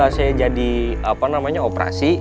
saya jadi operasi